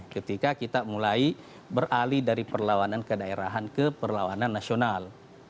ketika kita mulai beralih dari perlawanan kedaerahan ke perlawanan nasional